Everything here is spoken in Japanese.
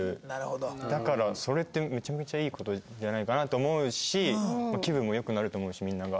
だからそれってめちゃめちゃいい事じゃないかなって思うし気分も良くなると思うしみんなが。